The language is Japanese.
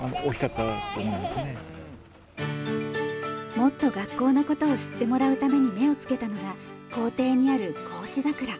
もっと学校のことを知ってもらうために目をつけたのが校庭にある孝子桜。